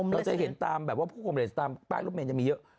เราจะเห็นตามแบบว่าพวกกรุงเทพตอนเนี่ยตามปลากรุงเมียนจะมีเยอะ